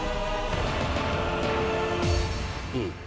うん。